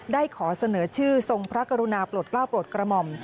ได้ขอเสนอชื่อทรงพระกรุณาปลดกล้าปลดกระหม่อม